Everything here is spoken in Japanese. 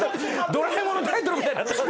『ドラえもん』のタイトルみたい。